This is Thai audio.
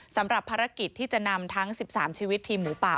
สำหรับภารกิจที่จะนำทั้ง๑๓ชีวิตทีมหมูป่า